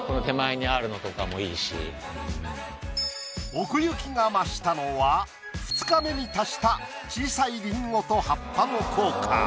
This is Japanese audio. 奥行きが増したのは２日目に足した小さいりんごと葉っぱの効果。